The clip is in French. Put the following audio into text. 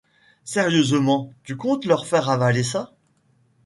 Sérieusement, tu comptes leur faire avaler ça ?